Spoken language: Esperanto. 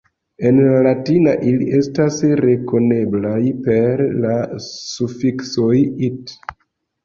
En la latina ili estas rekoneblaj per la sufikso "-it".